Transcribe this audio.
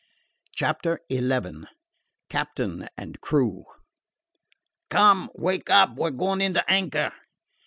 CHAPTER XI CAPTAIN AND CREW "Come! Wake up! We 're going into anchor."